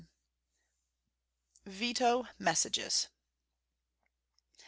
GRANT. VETO MESSAGES.